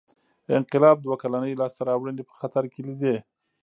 انقلاب دوه کلنۍ لاسته راوړنې په خطر کې لیدې.